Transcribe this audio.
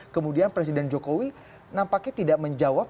kemudian presiden jokowi nampaknya tidak menjawab